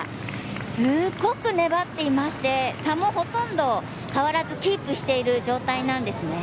すごく粘っていまして差もほとんど変わらずキープしている状態なんですね。